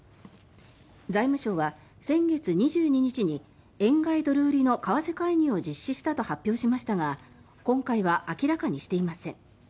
財務省は先月２２日に円買い・ドル売りの為替介入を実施したと発表しましたが今回は明らかにしていません。